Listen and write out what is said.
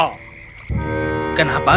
kenapa tidak kita tunggu dia